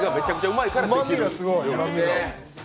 うまみがすごい。